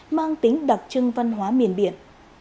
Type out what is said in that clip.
mang tính đặc trưng văn hóa miền biển